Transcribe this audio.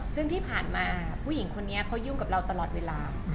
ซึ่งที่ผ่านมาผู้หญิงคนนี้เขายุ่งกับเราตลอดเวลา